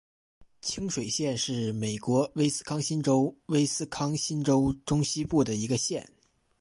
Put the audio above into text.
清水县是美国威斯康辛州威斯康辛州中西部的一个县。